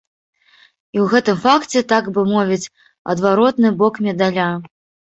І ў гэтым факце, так бы мовіць, адваротны бок медаля.